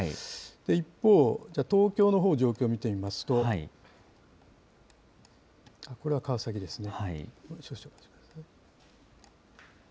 一方、じゃあ、東京のほう状況見ていきますと、これは川崎ですね。